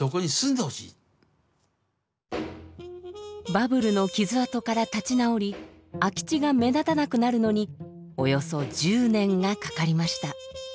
バブルの傷痕から立ち直り空き地が目立たなくなるのにおよそ１０年がかかりました。